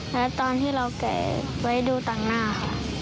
แล้วตอนที่เราแกะไว้ดูต่างหน้าค่ะ